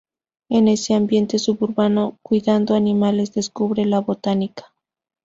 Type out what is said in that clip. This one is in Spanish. En ese ambiente suburbano, cuidando animales descubre la botánica.